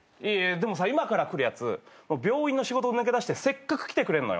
でもさ今から来るやつ病院の仕事抜け出してせっかく来てくれるのよ。